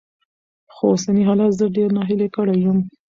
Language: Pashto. خو اوسني حالات زه ډېره ناهيلې کړې يم.